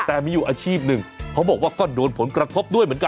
แต่มีอยู่อาชีพหนึ่งเขาบอกว่าก็โดนผลกระทบด้วยเหมือนกัน